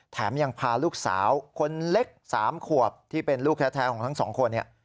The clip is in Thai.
แถมยังพาลูกสาวคนเล็ก๓ขวบที่เป็นลูกแท้ของทั้งสองคนเนี่ย